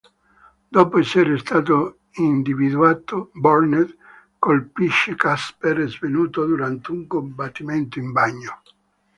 Dopo essere stato individuato, Burnett colpisce Casper svenuto durante un combattimento in bagno.